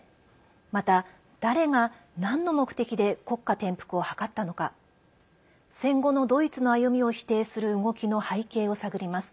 また、誰がなんの目的で国家転覆を謀ったのか戦後のドイツの歩みを否定する動きの背景を探ります。